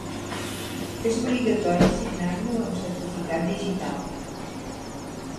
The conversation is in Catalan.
És obligatori signar-lo amb certificat digital.